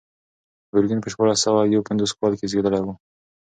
ګورګین په شپاړس سوه یو پنځوس کال کې زېږېدلی و.